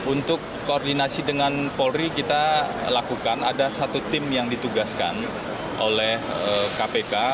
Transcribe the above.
untuk koordinasi dengan polri kita lakukan ada satu tim yang ditugaskan oleh kpk